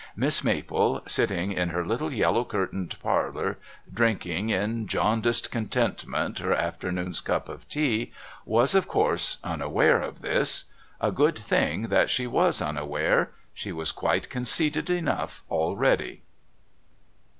Miss Maple, sitting in her little yellow curtained parlour drinking, in jaundiced contentment, her afternoon's cup of tea, was, of course, unaware of this. A good thing that she was unaware she was quite conceited enough already.